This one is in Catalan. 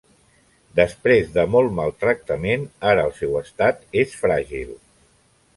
Després de molt maltractament ara el seu estat és fràgil.